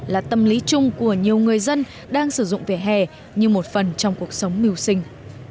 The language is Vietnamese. là tâm lý chung của nhiều người dân đang sử dụng vỉa hè như một phần trong cuộc sống mưu sinh